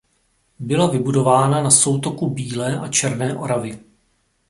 Byla vybudována na soutoku Bílé a Černé Oravy.